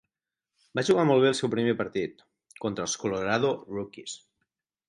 Va jugar molt bé el seu primer partit, contra els Colorado Rockies.